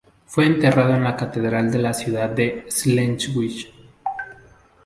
Fue enterrado en la catedral de la ciudad de Schleswig.